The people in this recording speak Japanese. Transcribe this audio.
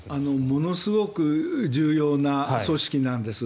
ものすごく重要な組織なんです。